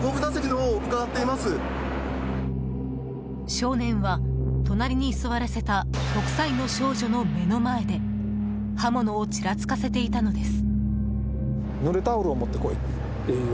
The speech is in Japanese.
少年は、隣に座らせた６歳の少女の目の前で刃物をちらつかせていたのです。